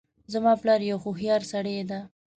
زما پلار یو هوښیارسړی ده